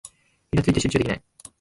イラついて集中できない